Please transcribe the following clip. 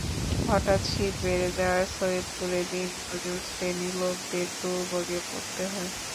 হঠাৎ শীত বেড়ে যাওয়ায় সৈয়দপুরে দিনমজুর শ্রেণীর লোকদের দুর্ভোগে পড়তে হয়।